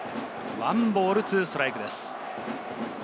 １ボール２ストライクです。